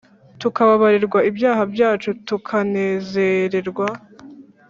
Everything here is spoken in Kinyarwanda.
tukababarirwa ibyaha byacu, tukanezererwa